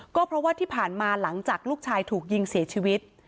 ก็เพราะว่าที่ผ่านมาหลังจากลูกชายถูกยิงเสียชีวิต